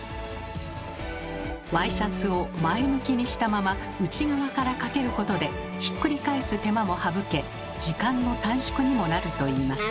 ワイシャツを前向きにしたまま内側からかけることでひっくり返す手間も省け時間の短縮にもなるといいます。